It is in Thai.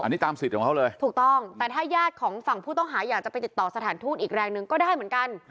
อันนี้ตามสิทธิ์ของเขาเลยถูกต้องแต่ถ้าญาติของฝั่งผู้ต้องหาอยากจะไปติดต่อสถานทูตอีกแรงหนึ่งก็ได้เหมือนกัน